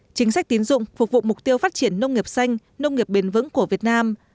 chính sách tín dụng phục vụ mục tiêu phát triển nông nghiệp xanh nông nghiệp bền vững của việt nam